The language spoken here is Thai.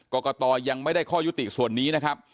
กรกตยังไม่ได้ข้อยุติส่วนนี้นะครับ